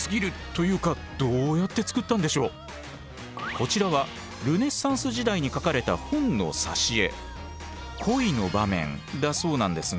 こちらはルネサンス時代に描かれた本の挿絵。